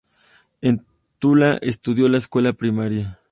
En Tula estudió la escuela primaria.